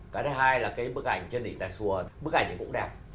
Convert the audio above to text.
cái thứ hai là cái bức ảnh trên đỉnh tài xùa bức ảnh này cũng đẹp